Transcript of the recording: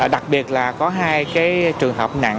đặc biệt là có hai trường hợp nặng